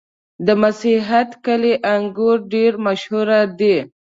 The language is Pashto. د میست کلي انګور ډېر مشهور دي.